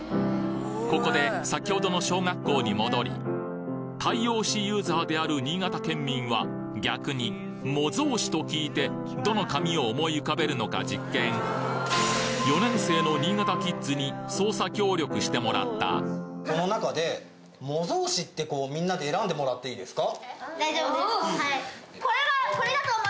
ここで先ほどの小学校に戻り大洋紙ユーザーである新潟県民は逆に模造紙と聞いてどの紙を思い浮かべるのか実験４年生の新潟キッズに捜査協力してもらったどれですか？